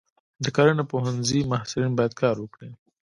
د کرنې پوهنځي محصلین باید کار وکړي.